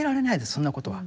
そんなことは。